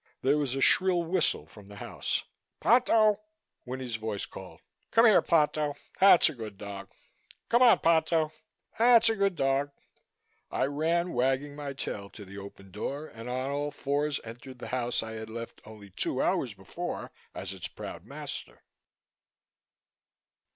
There was a shrill whistle from the house. "Ponto!" Winnie's voice called. "Come here, Ponto. That's a good dog! Come on, Ponto! That's a good dog!" I ran, wagging my tail, to the open door and on all fours entered the house I had left only two hours before as its proud master.